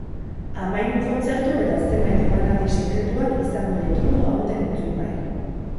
Hamahiru kontzertu eta zenbait emanaldi sekretuak izango ditugu aurten entzungai.